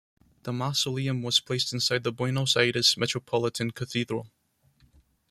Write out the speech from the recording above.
The mausoleum was placed inside the Buenos Aires Metropolitan Cathedral.